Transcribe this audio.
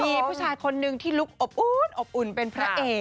มีผู้ชายคนนึงที่ลุกอบอุ่นอบอุ่นเป็นพระเอก